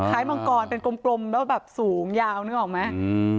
มังกรเป็นกลมแล้วแบบสูงยาวนึกออกไหม